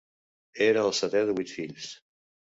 Era el setè de vuit fills.